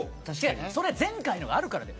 それ、前回のがあるからだよ。